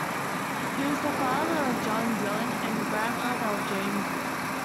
He was the father of John Dillon, and grandfather of James Dillon.